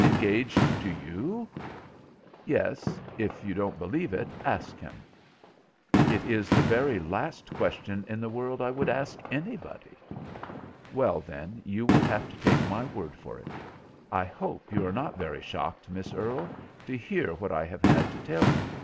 "Engaged to you?" "Yes. If you don't believe it, ask him." "It is the very last question in the world I would ask anybody." "Well, then, you will have to take my word for it. I hope you are not very shocked, Miss Earle, to hear what I have had to tell you."